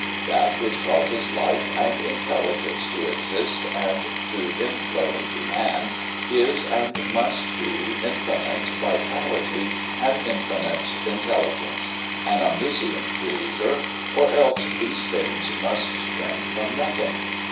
That which causes life and intelligence to exist and to inflow into man is and must be infinite vitality and infinite intelligence an omniscient Creator or else these things must spring from nothing.